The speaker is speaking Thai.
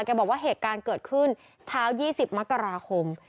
บอกว่าเหตุการณ์เกิดขึ้นเช้า๒๐มกราคม